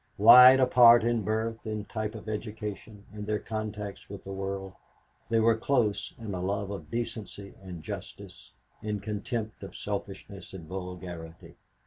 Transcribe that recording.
Wide apart in birth, in type of education, in their contacts with the world, they were close in a love of decency and justice, in contempt for selfishness and vulgarity.